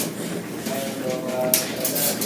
برق را قطع کردن